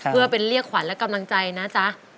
เพื่อเป็นเรียกขวัญและกำลังใจนะจ๊ะ